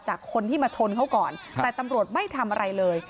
จากคนที่มาชนเขาก่อนแต่ตำรวจไม่ทำอะไรเลย